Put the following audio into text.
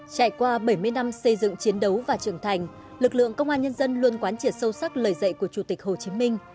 trải qua bảy mươi năm xây dựng chiến đấu và trưởng thành lực lượng công an nhân dân luôn quán triệt sâu sắc lời dạy của chủ tịch hồ chí minh